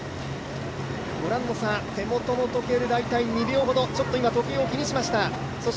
手元の時計で大体２秒ほど、今ちょっと時計を気にしました。